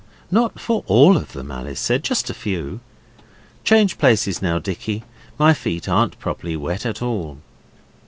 'Not for all of them,' Alice said, 'just a few. Change places now, Dicky. My feet aren't properly wet at all.